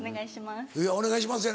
お願いします。